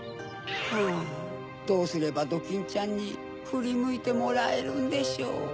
はぁどうすればドキンちゃんにふりむいてもらえるんでしょう？